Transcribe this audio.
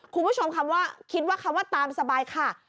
คุณผู้ชมคำว่าคิดว่าคำว่าตามสบายค่ะ